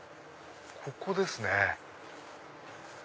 ここですね。